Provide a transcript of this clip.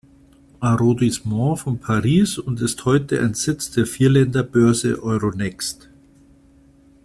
Arrondissement von Paris und ist heute ein Sitz der Vierländer-Börse Euronext.